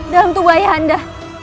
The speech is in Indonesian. dalam tubuh ayah anda